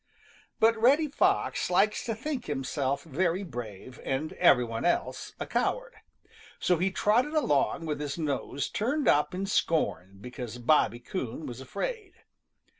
But Reddy Fox likes to think himself very brave and every one else a coward. So he trotted along with his nose turned up in scorn because Bobby Coon was afraid.